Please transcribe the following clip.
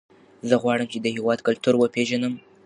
زه غواړم چې د هېواد کلتور وپېژنم.